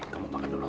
kamu makan dulu